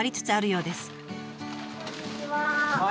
こんにちは。